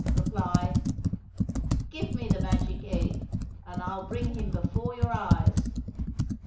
' reply, ' Give me the magic egg, and I'll bring him before your eyes